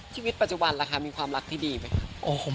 ชีวิตปัจจุบันล่ะคะมีความรักที่ดีไหมคะ